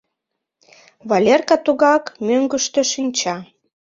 Валерка тугак мӧҥгыштӧ шинча.